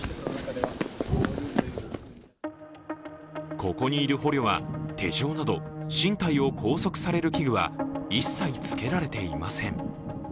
ここにいる捕虜は手錠など、身体を拘束する器具は一切着けられていません。